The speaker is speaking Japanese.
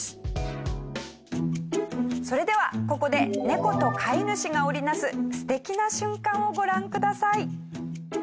それではここで猫と飼い主が織り成す素敵な瞬間をご覧ください。